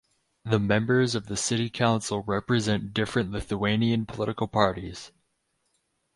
The members of the City Council represent different Lithuanian political parties.